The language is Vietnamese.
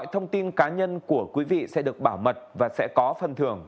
mọi thông tin cá nhân của quý vị sẽ được bảo mật và sẽ có phần thưởng